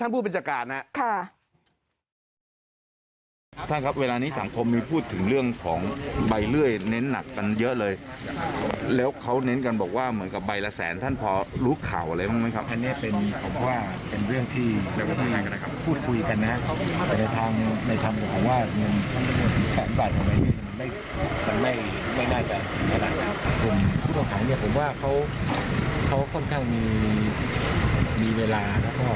พูดจากท่านผู้บัญชาการนะครับค่ะ